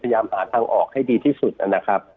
พยายามหาทางออกให้ดีที่สุดนะครับ